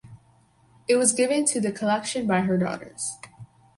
It was given to the collection by her daughters.